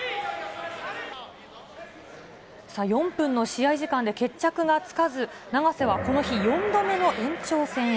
４分の試合時間で決着がつかず、永瀬はこの日、４度目の延長戦へ。